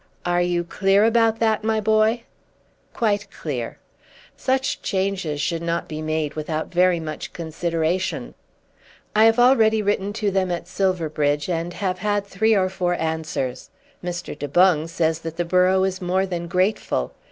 "Are you clear about that, my boy?" "Quite clear." "Such changes should not be made without very much consideration." "I have already written to them at Silverbridge and have had three or four answers. Mr. De Boung says that the borough is more than grateful.